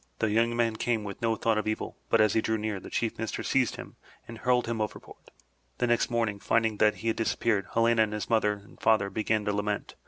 The young man came with no thought of evil, but as he drew near, the Chief Minister seized him and hurled him overboard. The next morn ing, finding that he had disappeared, Helena and his mother and father began to lament.